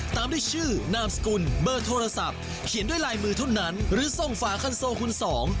ตามด้วยชื่อนามสกุลเบอร์โทรศัพท์เขียนด้วยลายมือเท่านั้นหรือส่งฝาคันโซคุณสอง